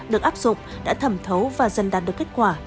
được áp dụng đã thẩm thấu và dần đạt được kết quả